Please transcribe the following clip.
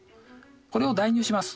これを代入します。